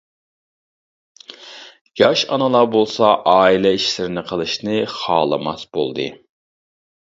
ياش ئانىلار بولسا ئائىلە ئىشلىرىنى قىلىشنى خالىماس بولدى.